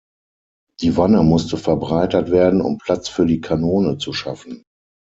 Die Wanne musste verbreitert werden, um Platz für die Kanone zu schaffen.